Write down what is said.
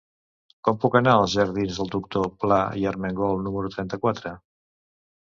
Com puc anar als jardins del Doctor Pla i Armengol número trenta-quatre?